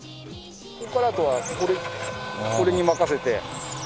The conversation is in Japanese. ここからあとはこれに任せて。